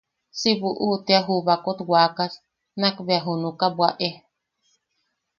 Si buʼu tea ju baakot wakas nakbea junakaʼa bwaʼe.